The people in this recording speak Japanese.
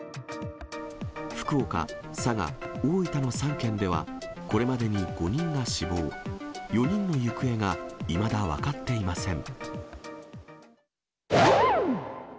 福岡、佐賀、大分の３県では、これまでに５人が死亡、４人の行方がいまだ分かっていません。